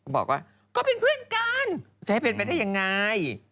บอกว่าก็เป็นเพื่อนกันจะให้เป็นไปได้ยังไง